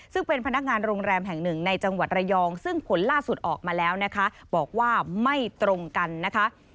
ซึ่งเป็นพนักงานโรงแรมแห่งหนึ่งในจังหวัดระยองซึ่งผลล่าสุดออกมาแล้วนะคะบอกว่าไม่ตรงกันนะคะ